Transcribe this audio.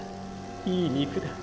いい肉だ。